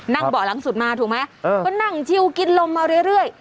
นั่งเบาะหลังสุดมาถูกไหมเออก็นั่งชิวกินลมมาเรื่อยเรื่อย